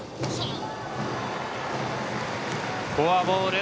フォアボール。